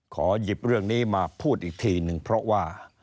ขอหยิบเรื่องนี้มาพูดอีกทีหนึ่งเพราะว่า